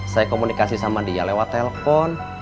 saya komunikasi sama dia lewat telpon